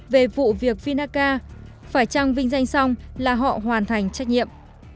về vụ việc vinaca phải trăng vinh danh xong là họ hoàn thành trách nhiệm